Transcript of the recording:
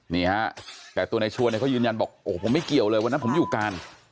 นี่ฮะแต่ตัวในชวนเนี่ยเขายืนยันบอกโอ้โหผมไม่เกี่ยวเลยวันนั้นผมอยู่การ